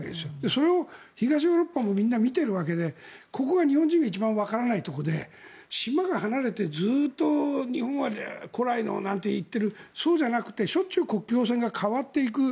それを東ヨーロッパもみんな見ているわけでここが日本人が一番わからないところで島から離れて、ずっと日本古来のなんて言っているそうじゃなくて、しょっちゅう国境線が変わっていく。